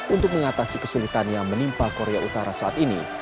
untuk mengatasi kesulitan yang menimpa korea utara saat ini